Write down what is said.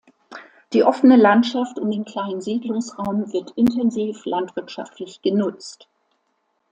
Die offene Landschaft um den kleinen Siedlungsraum wird intensiv landwirtschaftlich genutzt.